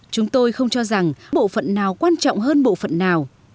chúng tôi không cho rằng bộ phận nào quan trọng hơn bộ phận nào